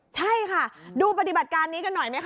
ใช่ค่ะดูปฏิบัติการนี้กันหน่อยไหมค